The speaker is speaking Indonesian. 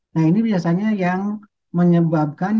nah ini biasanya yang menyebabkan